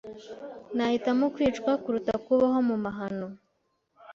Nahitamo kwicwa kuruta kubaho mu mahano.